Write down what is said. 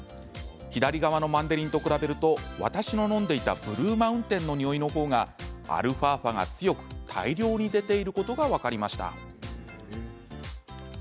左側のマンデリンと比べると私の飲んでいたブルーマウンテンの匂いの方がα波が強く大量に出ていることが分かりました。